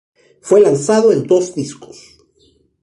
Fue lanzado en dos discos.